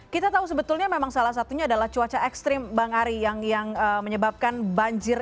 kita tahu sebetulnya memang salah satunya adalah cuaca ekstrim bang ari yang menyebabkan banjir